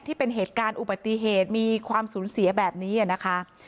ที่เป็นเหตุการณ์อุบัติเหตุมีความสูญเสียแบบนี้นะคะ